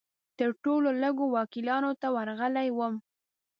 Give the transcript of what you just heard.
تر ټولو لږو وکیلانو ته ورغلی وم.